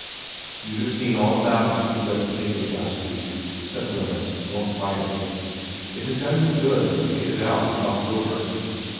* You'd have seen all about it if you had read the 20 VERA n papers last week,' said Wemyss, more quietly. It had done him good to get it out and talked over.